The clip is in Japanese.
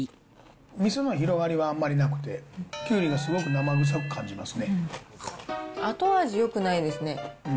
みその広がりはあんまりなくて、キュウリがすごく生臭く感じ後味よくないですね。